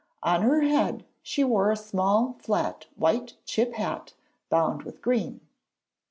On her head she wore a small, flat, white chip hat bound with green.